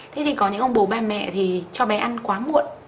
thế thì có những ông bố ba mẹ thì cho bé ăn quá muộn